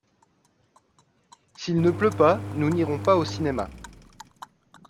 S’il ne pleut pas nous n’irons pas au cinéma.